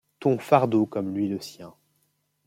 Ton-fardeau comme lui le sien.